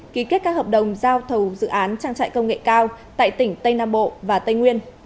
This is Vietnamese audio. ký kết các hợp đồng giao thầu dự án trang trại công nghệ cao tại tỉnh tây nam bộ và tây nguyên